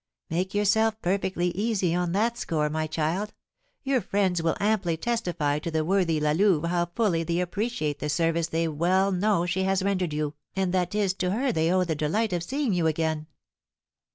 "Make yourself perfectly easy on that score, my child; your friends will amply testify to the worthy La Louve how fully they appreciate the service they well know she has rendered you, and that 'tis to her they owe the delight of seeing you again."